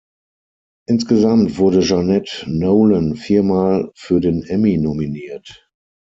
Insgesamt wurde Jeanette Nolan viermal für den Emmy nominiert.